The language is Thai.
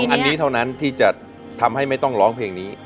อันนี้เท่านั้นที่จะทำให้ไม่ต้องร้องเพลงนี้